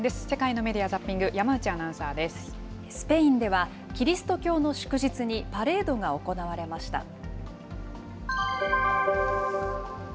世界のメディア・ザッピング、山スペインでは、キリスト教の祝日にパレードが行われました。